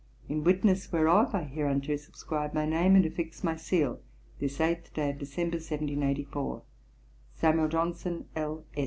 In witness whereof I hereunto subscribe my name, and affix my seal, this eighth day of December, 1784. 'Sam Johnson, (L.